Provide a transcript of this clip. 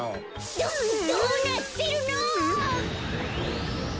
どどうなってるの！？